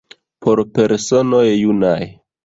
Por personoj junaj!